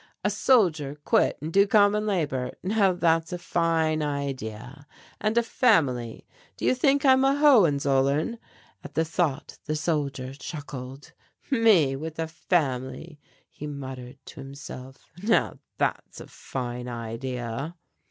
A soldier quit and do common labor, now that's a fine idea. And a family! Do you think I'm a Hohenzollern?" At the thought the soldier chuckled. "Me with a family," he muttered to himself, "now that's a fine idea."